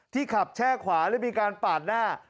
ขับแช่ขวาและมีการปาดหน้า